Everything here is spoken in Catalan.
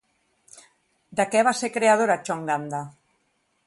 De què va ser creadora Chonganda?